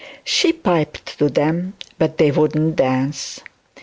She piped to them, but they would not dance.